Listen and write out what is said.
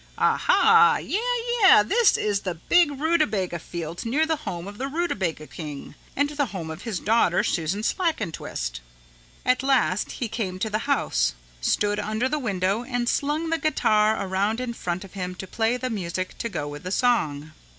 "Ah hah, yeah, yeah, this is the big rutabaga field near the home of the rutabaga king and the home of his daughter, Susan Slackentwist." At last he came to the house, stood under the window and slung the guitar around in front of him to play the music to go with the song.